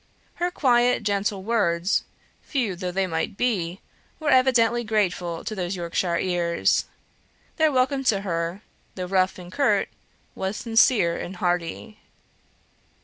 Her quiet, gentle words, few though they might be, were evidently grateful to those Yorkshire ears. Their welcome to her, though rough and curt, was sincere and hearty.